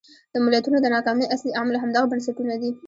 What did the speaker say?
د ملتونو د ناکامۍ اصلي عامل همدغه بنسټونه دي.